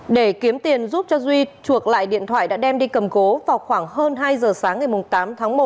để kiếm tiền giúp cho duy chuộc lại điện thoại đã đem đi cầm cố vào khoảng hơn hai giờ sáng ngày tám tháng một